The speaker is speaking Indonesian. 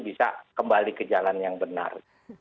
bisa kembali ke jalan yang benar